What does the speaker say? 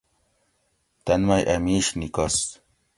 تن مئی اۤ میش نِیکس